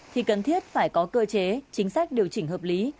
thì cần thiết phải có cơ chế chính sách điều chỉnh hợp lý